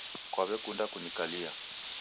Kwawekunda kunikalia